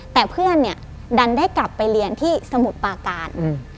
แต่เพื่อนเนี่ยดันได้กลับไปเรียนที่สมุทรปาการ